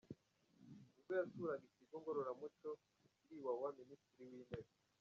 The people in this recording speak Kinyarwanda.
Ubwo yasuraga ikigo ngororamuco cyiri i Wawa, Minisitiri w’Intebe